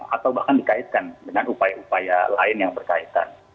atau bahkan dikaitkan dengan upaya upaya lain yang berkaitan